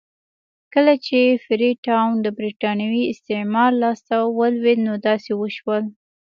کله چې فري ټاون د برېټانوي استعمار لاس ته ولوېد نو داسې وشول.